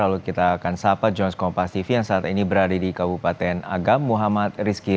lalu kita akan sahabat jones kompas tv yang saat ini berada di kabupaten agam muhammad rizky